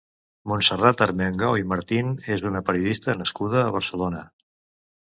Montserrat Armengou i Martín és una periodista nascuda a Barcelona.